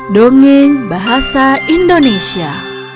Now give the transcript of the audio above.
dongeng bahasa indonesia